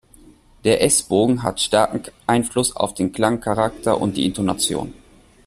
Der S-Bogen hat starken Einfluss auf den Klangcharakter und die Intonation.